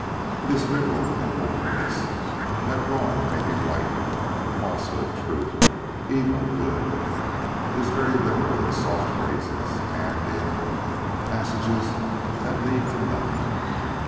It is liberal in hopefulness that wrong may be right, falsehood truth, evil good. It is very liberal in soft phrases, and in "passages that lead to nothing."